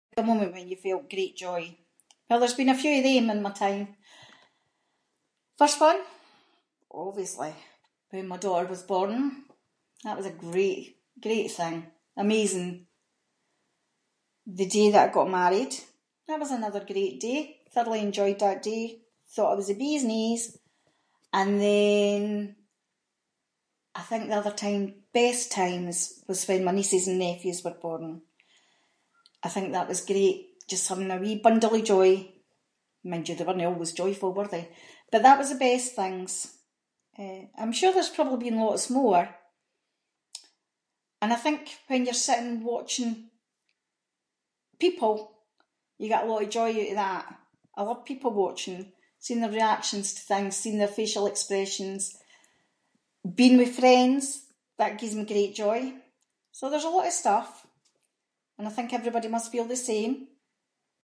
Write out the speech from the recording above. When was a moment that you felt great joy? Well there’s been a few of them in my time. First one, obviously when my daughter was born, that was a great, great thing, amazing. The day that I got married, that was another great day, thoroughly enjoyed that day, thought I was the bee’s knees. And then, I think the other time, best times, was when my nieces and nephews were born, I think that was great, just having a wee bundle of joy, mind you they werenae always joyful were they, but that was the best things. Eh, I’m sure there’s probably been lots more, and I think when you’re sitting watching people you get a lot of joy oot of that. I love people watching, seeing their reactions to things, seeing their facial expressions. Being with friends, that gies me great joy. So, there’s a lot of stuff, and I think everybody must feel the same.